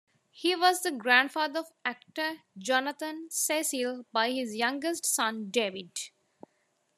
He was the grandfather of actor Jonathan Cecil by his youngest son, David.